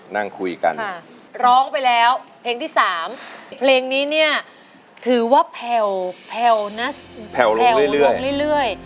ดูเหมือนเป็นความหวงใหญ่เลย